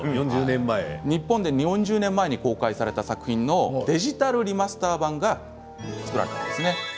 日本で４０年前に公開された作品のデジタルリマスター盤です。